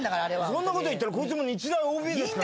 そんなこと言ったらこいつも日大ＯＢですから。